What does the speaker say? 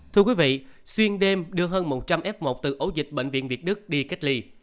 thưa quý vị xuyên đêm đưa hơn một trăm linh f một từ ấu dịch bệnh viện việt đức đi cách ly